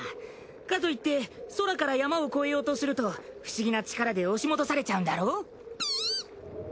かといって空から山を越えようとすると不思議な力で押し戻されちゃうんだろ？